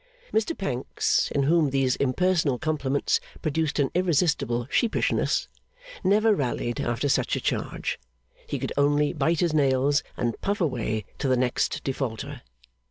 Mr Pancks, in whom these impersonal compliments produced an irresistible sheepishness, never rallied after such a charge. He could only bite his nails and puff away to the next Defaulter.